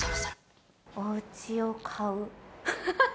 おうちを買う。